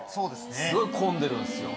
すごい混んでるんっすよ。